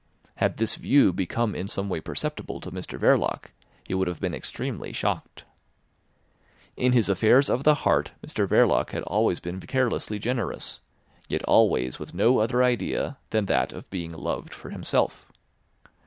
Had this view become in some way perceptible to Mr Verloc he would have been extremely shocked. In his affairs of the heart Mr Verloc had been always carelessly generous, yet always with no other idea than that of being loved for himself.